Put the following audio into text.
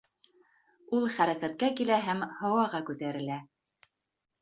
Ул хәрәкәткә килә һәм һауаға күтәрелә.